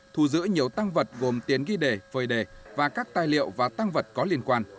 thu giữ nhiều tăng vật gồm tiến ghi đề phơi đề và các tài liệu và tăng vật có liên quan